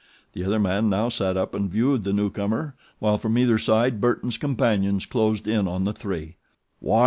The other man now sat up and viewed the newcomer, while from either side Burton's companions closed in on the three.